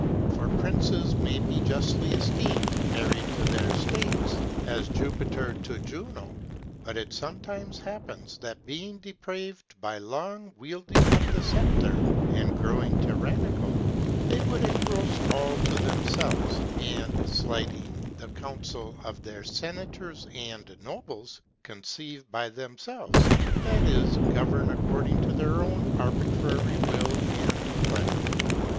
For princes may be justly esteemed married to their states, as Jupiter to Juno; but it sometimes happens, that, being depraved by long wielding of the sceptre, and growing tyrannical, they would engross all to themselves, and, slighting the counsel of their senators and nobles, conceive by themselves; that is, govern according to their own arbitrary will and pleasure.